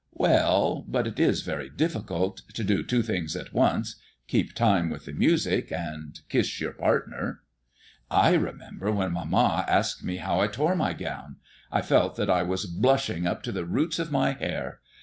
"Well, but it is very difficult to do two things at once, keep time with the music and kiss your partner." "I remember when mamma asked me how I tore my gown, I felt that I was blushing up to the roots of my hair.